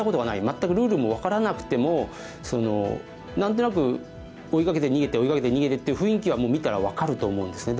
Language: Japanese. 全くルールも分からなくても何となく追いかけて逃げて追いかけて逃げてという雰囲気はもう見たら分かると思うんですね。